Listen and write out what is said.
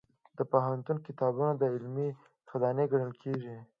د پوهنتون کتابتون د علم خزانه ګڼل کېږي.